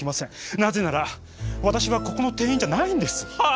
なぜなら私はここの店員じゃないんです。はあ！？